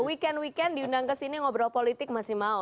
wicen wicen diundang ke sini ngobrol politik masih mau